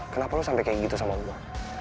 kenapa lo sampai kayak gitu sama gue